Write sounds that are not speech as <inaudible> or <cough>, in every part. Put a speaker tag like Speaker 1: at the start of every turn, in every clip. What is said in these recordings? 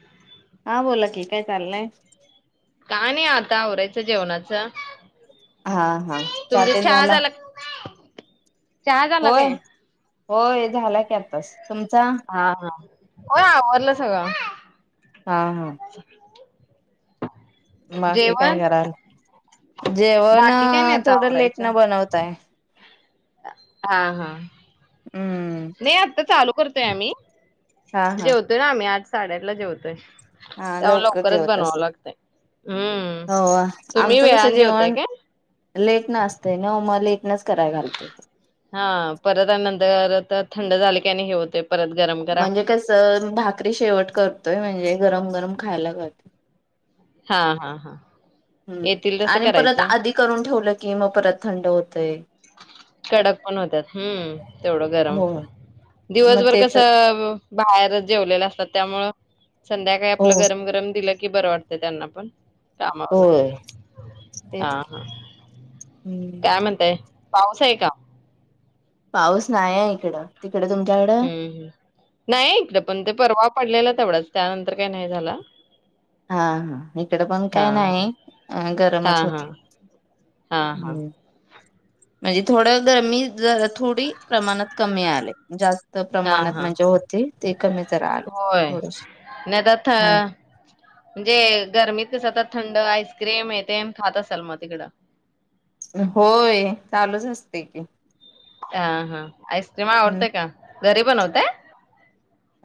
Speaker 1: <unintelligible> हा बोला की काय चाललंय?
Speaker 2: काय नाही आता आवरायचं जेवणाचं.
Speaker 1: हा हा, चहा तेन झाला?
Speaker 2: चहा झाला
Speaker 1: होय,
Speaker 2: काय?
Speaker 1: होय झाला की आताच, तुमचा?
Speaker 2: हा हा, होय आवरलं सगळ.
Speaker 1: हा हा. बाकी काय
Speaker 2: जेवण
Speaker 1: कराल, जेवण
Speaker 2: बाकी काय नाही आता
Speaker 1: थोडं लेट
Speaker 2: आवरायचं.
Speaker 1: न बनवताय.
Speaker 2: हा हा.
Speaker 1: हम्म.
Speaker 2: नाही आत्ता चालू करतोय आम्ही,
Speaker 1: हा हा
Speaker 2: जेवतोय ना आम्ही आठ साडेआठला जेवतोय.
Speaker 1: हा
Speaker 2: त्यामुळे
Speaker 1: लवकर
Speaker 2: लवकरच
Speaker 1: जेवत
Speaker 2: बनवाव
Speaker 1: असणार
Speaker 2: लागतय, हम्म,
Speaker 1: हो
Speaker 2: तुम्ही वेळान जेवताय काय?
Speaker 1: लेट न असतय नव म लेटनच कराय घालतोय.
Speaker 2: हा परत आणि नंतर थंड झाल की आणि हे होतय. परत गरम करा.
Speaker 1: म्हणजे कस भाकरी शेवट करतोय म्हणजे गरम गरम खायला करतोय.
Speaker 2: हा हा हा.
Speaker 1: हम्म,
Speaker 2: येतील तसं
Speaker 1: आणि परत
Speaker 2: करायचं
Speaker 1: आधी करून ठेवलं की मग परत थंड होतय.
Speaker 2: कडक पण होत्यात हम्म तेवढं गरम
Speaker 1: हो
Speaker 2: आपलं.
Speaker 1: मग
Speaker 2: दिवसभर
Speaker 1: तेच
Speaker 2: कसं बाहेर जेवलेलं असत त्यामुळ, संध्याकाळी
Speaker 1: हो
Speaker 2: आपलं गरम गरम दिलं की बरं वाटतं त्यांना पण. कामावरन आलं
Speaker 1: होय
Speaker 2: की, हा
Speaker 1: तेच की
Speaker 2: हा,
Speaker 1: हम्म
Speaker 2: काय म्हणताय? पाऊस आहे का?
Speaker 1: पाऊस नाहीये इकडं. तिकड तुमच्याकड?
Speaker 2: हम्म, नाहीये पण ते परवा पडलेला तेवढाच त्यानंतर काय नाही झाला.
Speaker 1: हा, हा, इकड पण
Speaker 2: हा
Speaker 1: काय नाही,
Speaker 2: हा
Speaker 1: गरमच
Speaker 2: हा
Speaker 1: होतय.
Speaker 2: हा, ह.
Speaker 1: म्हणजे थोड्या गरमी थोडी प्रमाणात कमी आलाय जास्त- जास्त
Speaker 2: हा
Speaker 1: प्रमाणात
Speaker 2: हा
Speaker 1: म्हणजे होते, ते कमी जरा आल
Speaker 2: होय
Speaker 1: थोडस,
Speaker 2: नाही आता थ
Speaker 1: हम्म.
Speaker 2: म्हणजे गरमीत कसं तर थंड आईस्क्रीम य ते खात असाल मग तिकडं?
Speaker 1: होय, चालूच असते की.
Speaker 2: हा, हा, आईस्क्रीम
Speaker 1: हम्म
Speaker 2: आवडतंय का घरी बनवतय?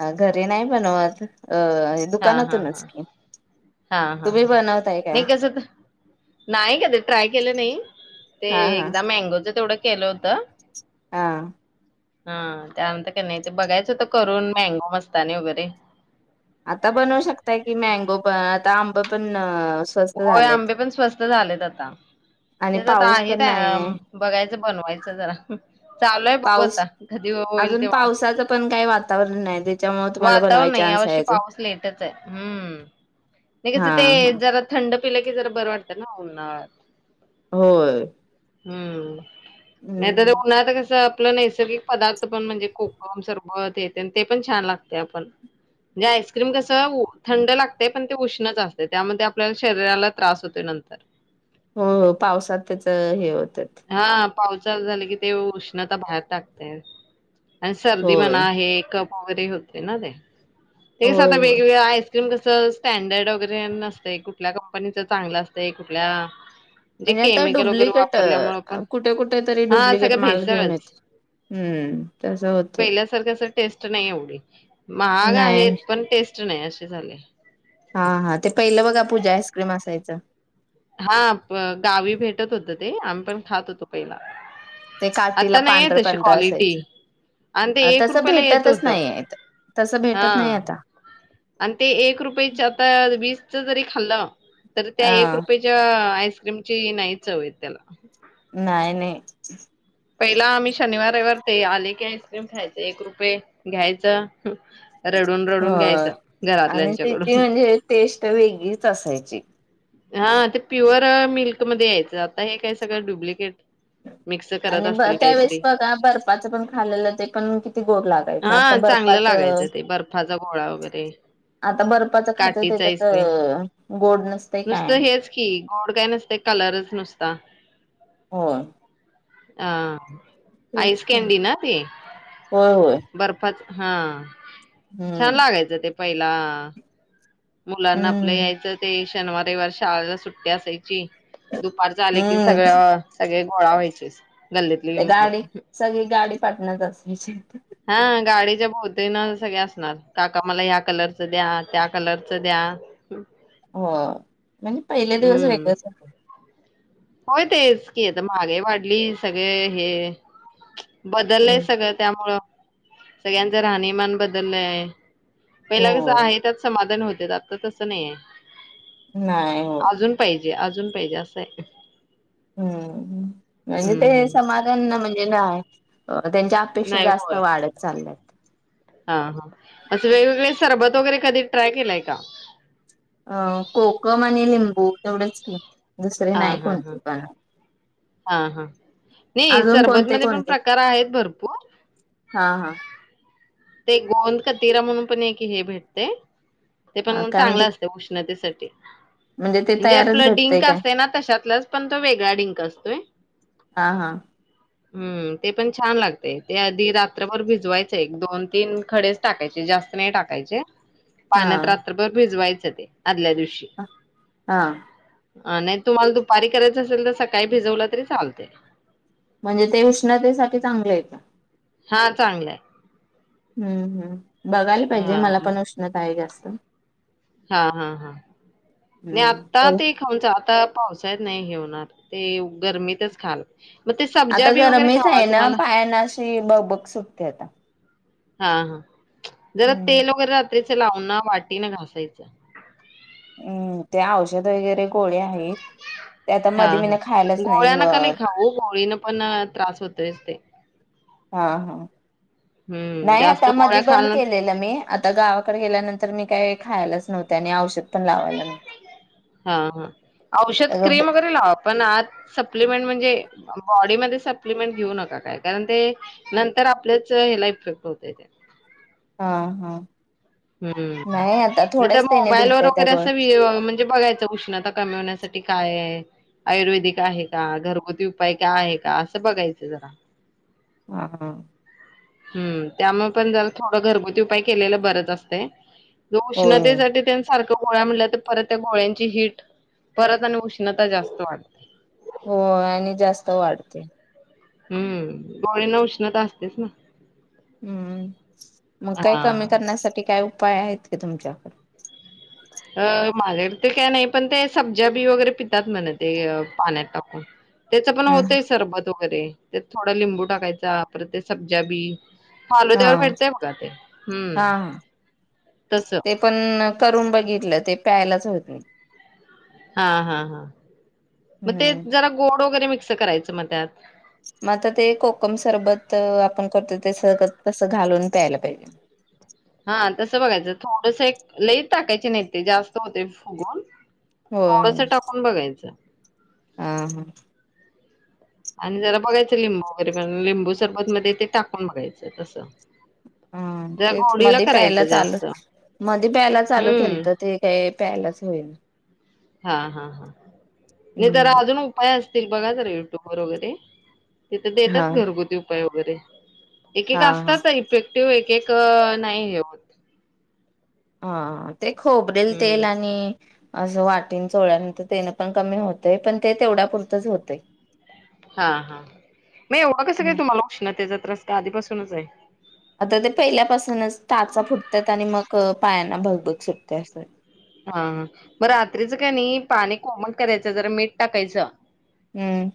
Speaker 1: अ.. घरी नाही बनवत अ..
Speaker 2: हा हा
Speaker 1: दुकानातूनच
Speaker 2: हा
Speaker 1: की.
Speaker 2: हा, हा,
Speaker 1: तुम्ही
Speaker 2: हा,
Speaker 1: बनवताय काय
Speaker 2: मी कसा त- नाही कधी ट्राय केलं नाही, ते
Speaker 1: हा हा
Speaker 2: एकदा मँगोचं तेवढं केलं होत-
Speaker 1: हां.
Speaker 2: हा, त्यानंतर का नाही ते बघायचं होत करून, मँगो मस्तानी वगैरे.
Speaker 1: आता बनवू शकताय की, मँगो पण आता आंब पण- स्वस्त
Speaker 2: होय,
Speaker 1: झालेत
Speaker 2: आंबे पण स्वस्त झालेत आता
Speaker 1: आणि
Speaker 2: तेच आता
Speaker 1: पाऊस पण नाही आहे
Speaker 2: आहेय- बघायचं, बनवायचं जरा. चालूय बघू
Speaker 1: पाऊस
Speaker 2: आता कधी होईल
Speaker 1: अजून
Speaker 2: तेव्हा,
Speaker 1: पावसाचं पण काही वातावरण नाही त्याच्यामुळे तुम्हाला
Speaker 2: वातावरण
Speaker 1: बनवाय
Speaker 2: नाही
Speaker 1: चान्स आहे
Speaker 2: यावर्षी-
Speaker 1: अजून
Speaker 2: पाऊस येतच हाय, हम्म, ते कस
Speaker 1: हा
Speaker 2: ते
Speaker 1: हा
Speaker 2: जरा- थंड पिलं की जरा बरं वाटतं उन्हाळ्यात.
Speaker 1: होय.
Speaker 2: हम्म, नाही तर
Speaker 1: हम्म
Speaker 2: उन्हाळ्यात कस. आपलं नैसर्गिक पदार्थ पण म्हणजे, कोकम, सरबत, हे तेन पण छान लागते पण- आणि आईस्क्रीम कसं थंड लागतय, पण ते उष्णच असतय, त्यामध्ये- आपल्या शरीराला त्रास होतय नंतर.
Speaker 1: हो, पावसात त्याच हे होत.
Speaker 2: हा, पाऊस चालू झाल की, ते उष्णता बाहेर टाकतय. आणि सर्दी
Speaker 1: होय
Speaker 2: म्हणा, हे कप वगैरे होते ना ते, तेच आता
Speaker 1: होय होय
Speaker 2: वेगवेगळ आहे- क्रीम कस स्टँडर्ड वगैरे नसतय, कुठल्या कंपनीच चांगलं असतय कुठल्या-
Speaker 1: म्हणजे आता
Speaker 2: केमिकल वगैरे वापरल्यामुळे पण
Speaker 1: डुब्लिकेट- कुठे, कुठे तरी
Speaker 2: हा
Speaker 1: डुप्लिकेट
Speaker 2: सगळं
Speaker 1: माल घेऊन
Speaker 2: भेसळच.
Speaker 1: येतय, हम्म.. तस होतय.
Speaker 2: तर तेच टेस्ट नाही एवढी, महाग आहेत
Speaker 1: नाही
Speaker 2: पण टेस्ट नाही अशे झालय.
Speaker 1: हा, हा, ते पहिलं बघा पूजा आईस्क्रीम असायचं.
Speaker 2: हा, गावी भेटत होत ते, आम्ही पण खात होतो पहिला.
Speaker 1: ते काठीला
Speaker 2: आता नाहीये,
Speaker 1: पांढरं
Speaker 2: तशी
Speaker 1: पांढरं
Speaker 2: क्वालिटी.
Speaker 1: असायचं
Speaker 2: आणि ते एक
Speaker 1: तसं
Speaker 2: रुपयाला येत
Speaker 1: भेटतच
Speaker 2: होत,
Speaker 1: नाही तसं
Speaker 2: हा.
Speaker 1: भेटत नाही आता
Speaker 2: आणि ते एक रुपयेच आता, वीसच जरी खाल्लं तरी त्या
Speaker 1: हा
Speaker 2: एक रुपये- च्या आईस्क्रीमची नाहीच चव येत त्याला.
Speaker 1: नाय, नाय.
Speaker 2: पहिला आम्ही शनिवार, रविवार ते आले की आईस्क्रीम खायच, एक रुपये घ्यायचं- ह.. रडून,
Speaker 1: हो
Speaker 2: रडून घ्यायचं,
Speaker 1: आणि त्याची
Speaker 2: घरातल्यांच्याकडून.
Speaker 1: म्हणजे टेस्ट वेगळीच असायची.
Speaker 2: हा, ते प्युअर मिल्कमध्ये यायचं, आता हे काय सगळं डब्लिकेट-
Speaker 1: आणि ब त्यावेेळेस बघा बर्फचं पण खालेलं ते पण किती गोड लागत-
Speaker 2: हा चांगलं लागायचं ते, बर्फाचा गोळा वगैरे.
Speaker 1: आता बर्फाच खातय,
Speaker 2: काठीच
Speaker 1: त्याच्यात
Speaker 2: आईस्क्रीम
Speaker 1: अ.. गोड नसत.
Speaker 2: नुसतं हेच की गोड काय नसते कलरच नुसता.
Speaker 1: होय.
Speaker 2: अ
Speaker 1: तेच
Speaker 2: आईस
Speaker 1: की.
Speaker 2: केंडीना ती?
Speaker 1: होय होय
Speaker 2: बर्फाच हा छान
Speaker 1: हम्म
Speaker 2: लागायचं ते पहिला मुलांना आपलं
Speaker 1: हम्म
Speaker 2: यायचं ते शनिवार, रविवार शाळेला सुट्टी असायची दुपार झाले की सगळ,
Speaker 1: हम्म
Speaker 2: सगळे गोळा व्हायचेस
Speaker 1: ते गाडी सगळी गाडी पाठण्यात अस
Speaker 2: हा गाडीच्या भोवत ना सगळे असणार काका मला ह्या कलरचं द्या, त्या कलरचं द्या
Speaker 1: हो म्हणजे पहिले दिवस
Speaker 2: हम्म
Speaker 1: वेगळंच होते.
Speaker 2: होय तेच की आता महागाई वाढली सगळे हे बदललंय
Speaker 1: हम्म.
Speaker 2: सगळ. त्यामुळं सगळ्यांचं राहणीमान बदलय पहिला कस
Speaker 1: हो
Speaker 2: आहे त्यात समाधान होत आता तसं नाही आहे.
Speaker 1: नाही हो.
Speaker 2: अजून पाहिजे अजून, पाहिजे असं आहे.
Speaker 1: हम्म, म्हणजे
Speaker 2: हम्म
Speaker 1: ते
Speaker 2: हम्म
Speaker 1: समाधान ना म्हणजे नाय त्यांच्या अपेक्षा
Speaker 2: नाही
Speaker 1: जास्त
Speaker 2: होय
Speaker 1: वाढत चालल्यात.
Speaker 2: हा, हा असं वेगवेगळे सरबत वगैरे कधी ट्राय केलंय का?
Speaker 1: अ कोकम आणि लिंबू तेवढेच की दुसरे
Speaker 2: हा
Speaker 1: नाही
Speaker 2: हा हा
Speaker 1: कोणते बनवत
Speaker 2: हा, हा नाही सरबत
Speaker 1: कोणते
Speaker 2: मध्ये पण
Speaker 1: कोणते
Speaker 2: प्रकार आहेत भरपूर
Speaker 1: हा, हा..
Speaker 2: ते गोंद क तिरा म्हणून पण एक हे भेटते ते
Speaker 1: हा
Speaker 2: पण
Speaker 1: काय म्हणजे
Speaker 2: चांगलं असत उष्णतेसाठी
Speaker 1: ते
Speaker 2: म्हणजे
Speaker 1: तयारच
Speaker 2: आपलं
Speaker 1: भेटतय
Speaker 2: डिंक
Speaker 1: काय
Speaker 2: असत ना तशातलच पण तो वेगळा डिंक असतोय.
Speaker 1: हा, हा.
Speaker 2: हम्म ते पण छान लागतय ते आधी रात्रभर भिजवायचं एक, दोन तीन खडेच टाकायचे जास्त नाही टाकायचे
Speaker 1: हा
Speaker 2: पाण्यात रात्र तर बर भिजवायचं ते आदल्या दिवशी
Speaker 1: हा.
Speaker 2: हा नाही तुम्हाला दुपारी करायचं असेल तर सकाळी भिजवला तरी चालतय.
Speaker 1: म्हणजे ते उष्णतेसाठी चांगलंये तर.
Speaker 2: हा चांगलाये.
Speaker 1: हम्म, हम्म बघायला पाहिजे
Speaker 2: हा
Speaker 1: मला पण उष्णता आहे जास्त.
Speaker 2: हा, हा, हा ना
Speaker 1: हम्म
Speaker 2: आता
Speaker 1: तर
Speaker 2: ते एक आता पावसाळ्यात नाही हे होणार ते गरमीतच खाल मग ते सब्जा
Speaker 1: आता
Speaker 2: बी वगैरे
Speaker 1: गरमच
Speaker 2: खावा
Speaker 1: आहे ना
Speaker 2: तुम्हाला
Speaker 1: पायानशी बघ बग, बग सुटते आता.
Speaker 2: हा, हा जरा
Speaker 1: हम्म
Speaker 2: तेल वगैरे रात्रीच लावून ना वाटीने घासायच.
Speaker 1: हम्म, ते औषध वगैरे गोळ्या
Speaker 2: हा, हा
Speaker 1: नाही
Speaker 2: गोळ्या नाका लयी
Speaker 1: मग
Speaker 2: खाऊ गोळी न पण त्रास होत असतेय.
Speaker 1: हा, हा
Speaker 2: हम्म
Speaker 1: नाही
Speaker 2: जास्त
Speaker 1: आता मधी
Speaker 2: गोळ्या खाल
Speaker 1: बंद
Speaker 2: ना
Speaker 1: केलेलं मी आता गावाकडे गेल्यानंतर मी काही खायलाच नव्हते आणि औषध पण लावायला नव्हते.
Speaker 2: हा, ह औषध
Speaker 1: अ
Speaker 2: क्रीम वगैरे लावा. पण आज सप्लिमेंट म्हणजे बॉडीमध्ये सप्लिमेंट घेऊ नका काय कारण ते नंतर आपल्याच हला इफेक्ट होतय.
Speaker 1: हा हा. नाही आता
Speaker 2: हम्म त्या
Speaker 1: थोड्याच त्याने
Speaker 2: मोबाईल व
Speaker 1: दिलत त्या
Speaker 2: वगैरे
Speaker 1: गोळ
Speaker 2: असं म्हणजे बघायचं उष्ण कमवण्यासाठी काय आहे आयुर्वेदिक आहे का घरगुती उपाय काय आहे का असं बघायचं जरा
Speaker 1: हां ह
Speaker 2: हम् त्यामुळे पण थोडं घरगुती उपाय केलेल बरच असते
Speaker 1: होय होय
Speaker 2: उष्णतेसाठी तेन सारख्या गोळ्या म्हल्या तर परत त्या गोळ्यांची हिट परत आणि उष्णता जास्त वाढते
Speaker 1: हो आणि जास्त वाढते
Speaker 2: हम्म गोळीना उष्णता असतेच ना
Speaker 1: हम्म मग काही कमी
Speaker 2: हा.
Speaker 1: करण्यासाठी काय उपाय आहेत का तुमच्याकड
Speaker 2: अ माझे ते काय नाही पण ते सब्जा बी वगैरे पितात म्हणे ते पाण्यात टाकून त्याच पण
Speaker 1: हम्
Speaker 2: होतंय सरबत वगैरे त्यात थोडं लिंबू टाकायचा परत ते सब्जा बी
Speaker 1: हा
Speaker 2: फालूदयं बरोबर भेटतय बघा ते हम्म
Speaker 1: हा हा
Speaker 2: तस
Speaker 1: ते पण करून बघितलं ते प्यायलाच होत नाही
Speaker 2: हा हा हां मग ते
Speaker 1: हम्म
Speaker 2: जरा गोड वगैरे मिक्स करायचं मग त्यात
Speaker 1: मग आता ते कोकम सरबत आपण करतो ते सगत तसं घालून प्यायला पाहिजे
Speaker 2: हा तसं बघायचं थोडस एक लईत टाकायची नाही ते जास्त होते फुगून
Speaker 1: हो
Speaker 2: थोडस टाकून बघायचं
Speaker 1: ह हां
Speaker 2: आणि जरा बघायचं लिंबू वगैरे पण लिंबू सरबत मध्ये ते टाकून बघायचं तसं
Speaker 1: ह
Speaker 2: जरा
Speaker 1: तेच
Speaker 2: गोडीला
Speaker 1: मध प्यायला
Speaker 2: करायचं
Speaker 1: चालू
Speaker 2: जास्त.
Speaker 1: मध्ये प्यायला चालू
Speaker 2: हम्म.
Speaker 1: केलतात ते काय प्यायलाच होईल
Speaker 2: हा हा हा नाही तर
Speaker 1: हम्म
Speaker 2: अजून उपाय असतील बघा ज युट्यूब वर वगैरे तथ
Speaker 1: हा
Speaker 2: देतात घरगुती उपाय वगैरे एक एक
Speaker 1: हा हा
Speaker 2: असतात ना इफेक्ट तव एक एक नाही आहे
Speaker 1: हा ते खोबरेल तेल
Speaker 2: हम्म
Speaker 1: आणि असं वाटीन चोळ्यानंतर तेन पण कमी होतेय पण ते तेवढ्या पुुरतंच होते
Speaker 2: हा हा मग एवं कसं काय तुम्हाला उष्णतेचा त्रास का आधीपासूनच आहे
Speaker 1: आता ते पहिल्यापासूनच टाचा फुटतात आणि मग पायांना भगभग सुटते अस
Speaker 2: हा हा मग रात्रीचं काय नाही पाणी कोमट करायचं जरा मीठ टाकायचं
Speaker 1: हम्म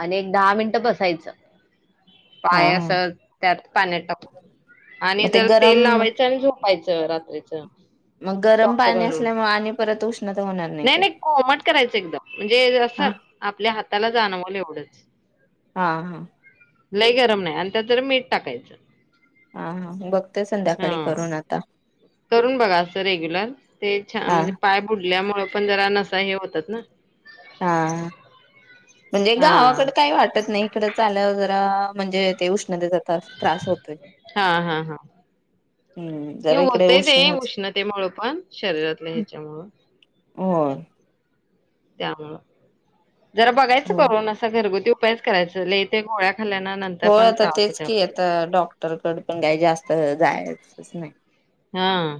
Speaker 2: आणि एक दहा मिनिट बसायचं
Speaker 1: हा
Speaker 2: पायस
Speaker 1: हा
Speaker 2: त्यात पाण्यात टाकत आणि
Speaker 1: मग ते
Speaker 2: जर
Speaker 1: गरम
Speaker 2: तेल लावायचं आणि झोपायचं रात्रीच
Speaker 1: मग गरम
Speaker 2: सॉक्स
Speaker 1: पाणी
Speaker 2: घालून
Speaker 1: असल्यामुळे आणि परत उष्णता होणार
Speaker 2: नाही नाही कोमट करायचं एकदम म्हणजे
Speaker 1: हा
Speaker 2: असं आपल्या हाताला जाणवलं एवढंच
Speaker 1: हा हा
Speaker 2: लय गरम नाही, आणि त्यात मीठ टाकायचं.
Speaker 1: हा हा बघते संध्याकाळी
Speaker 2: हा.
Speaker 1: करून आता
Speaker 2: करून बघा असं रेग्युलर, ते छान
Speaker 1: हा
Speaker 2: म्हणजे पाय बुडल्यामुळे पण जरा नसा हे होतात ना.
Speaker 1: हा म्हणजे
Speaker 2: हा
Speaker 1: गावाकड काही वाटत नाही तकड चालं जरा म्हणजे, ते उष्णतेचा त्रास होतोय.
Speaker 2: हा हा हा.
Speaker 1: हम्म. जरा इकडे
Speaker 2: होतय ते,
Speaker 1: उष्णच
Speaker 2: उष्णतेमु पण शरीरातल्या ह्याच्यामुळ.
Speaker 1: होय.
Speaker 2: त्यामुळं, जरा बघायचं
Speaker 1: हो.
Speaker 2: करोना अस घरगुती उपायच करायच ललेह ते गोळ्या खाल्ल्यान
Speaker 1: हो आता तेच की आता डॉक्टरकड पण काय जास्त जायचंच नाही.
Speaker 2: हा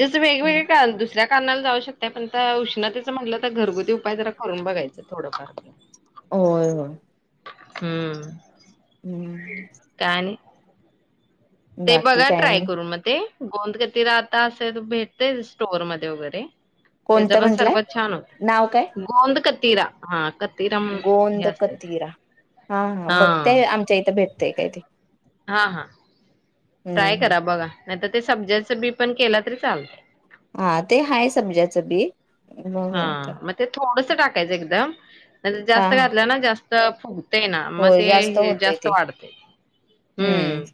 Speaker 2: जसं
Speaker 1: हम्म.
Speaker 2: वेगवेगळे कारण दुसऱ्या कारणाला जाऊ शकताय. पण उष्णतेचं म्हटलं तर घरगुती उपाय जरा करून बघायचं थोडंफार. <inaudible>
Speaker 1: होय हो.
Speaker 2: हम्म
Speaker 1: हम्म <inaudible>
Speaker 2: काय आणि ते
Speaker 1: बाकी
Speaker 2: बघा
Speaker 1: काय
Speaker 2: ट्राय
Speaker 1: नाही
Speaker 2: करू मग ते गोंद कती राहता असे भेटते स्टोअर मध्ये वगैरे तेज
Speaker 1: कोणतं
Speaker 2: पण
Speaker 1: म्हंटलंय
Speaker 2: सरबत छान होत.
Speaker 1: नाव काय?
Speaker 2: गोंद कतीरा हा कतिरा म्हणून हे
Speaker 1: गोंद
Speaker 2: असते ते.
Speaker 1: कतिरा हा हा बघतेय आमच्या इथं भेटतय काय ते.
Speaker 2: हा हा
Speaker 1: हम्म
Speaker 2: ट्राय
Speaker 1: हम्म.
Speaker 2: करा बघा नाही. तर ते सब्जाच बी पण केला तरी चालतं.
Speaker 1: हा ते हाय सब्जाचं बी
Speaker 2: हा
Speaker 1: बघ
Speaker 2: मग ते थोडस टाकायचं एकदम
Speaker 1: हा
Speaker 2: जास्त
Speaker 1: हा
Speaker 2: घातलं ना जास्त फुगत ते ना मग
Speaker 1: होय
Speaker 2: ते
Speaker 1: जास्त होतय
Speaker 2: जास्त
Speaker 1: ते
Speaker 2: वाढते. हम्म,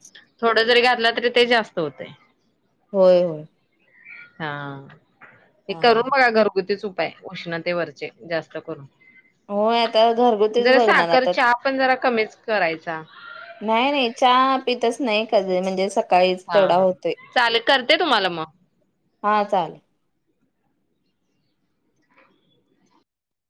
Speaker 2: थोडं जरी घातलं तरी ते जास्त होतंय.
Speaker 1: होय होय
Speaker 2: हा ते
Speaker 1: हा हा.
Speaker 2: करून बघा घरगु तीच उपाय उष्णतेवरचे जास्त करून.
Speaker 1: होय. आता घरगुतीच
Speaker 2: जरा
Speaker 1: बघणार
Speaker 2: साखर
Speaker 1: आता
Speaker 2: चहा पण जरा कमीच करायचा.
Speaker 1: नाही नाही. चहा पितच नाही कधी म्हणजे स
Speaker 2: हा हा चालेल करते तुम्हाला मग.
Speaker 1: हा चालेल.